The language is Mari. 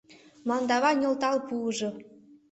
Мландава нӧлтал пуыжо!